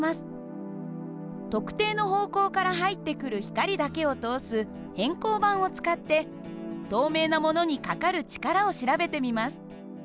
特定の方向から入ってくる光だけを通す偏光板を使って透明なものにかかる力を調べてみます。